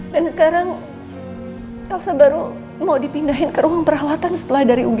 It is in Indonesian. dan sekarang elsa baru mau dipindahin ke ruang perawatan setelah dari ugd